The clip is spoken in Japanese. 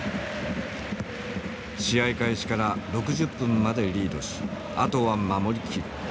「試合開始から６０分までリードしあとは守り切る」。